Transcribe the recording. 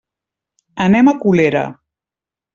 Anem a Colera.